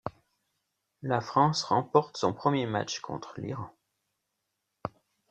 La France remporte son premier match, contre l'Iran.